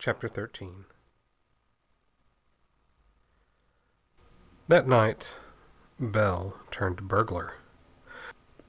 CHAPTER XIII That night Bell turned burglar.